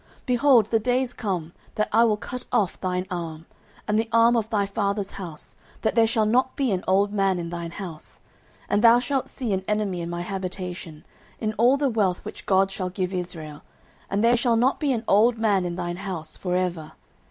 09:002:031 Behold, the days come, that I will cut off thine arm, and the arm of thy father's house, that there shall not be an old man in thine house. 09:002:032 And thou shalt see an enemy in my habitation, in all the wealth which God shall give Israel: and there shall not be an old man in thine house for ever.